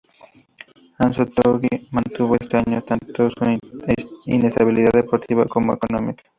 Anzoátegui mantuvo este año tanto su inestabilidad deportiva como económica.